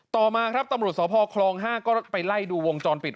ต่อมาครับตำรวจสพคลอง๕ก็ไปไล่ดูวงจรปิด